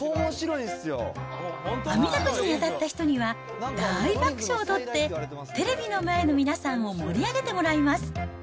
あみだくじに当たった人には大爆笑を取って、テレビの前の皆さんを盛り上げてもらいます。